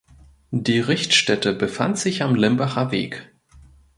Die Richtstätte befand sich am Limbacher Weg.